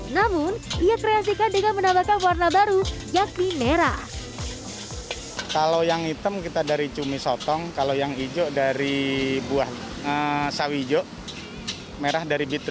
namun ia kreasikan dengan menambahkan warna baru yakni merah